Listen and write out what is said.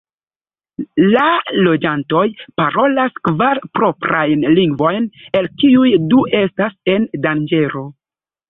La loĝantoj parolas kvar proprajn lingvojn, el kiuj du estas en danĝero.